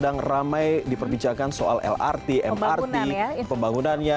sedang ramai diperbincangkan soal lrt mrt pembangunannya